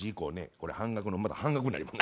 これ半額のまた半額になります。